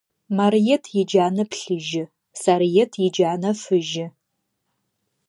Марыет иджанэ плъыжьы, Сарыет иджанэ фыжьы.